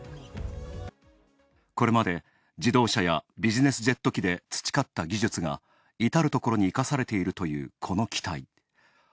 これまで自動車やビジネスジェット機で培った技術が至るところに生かされているというこの機体。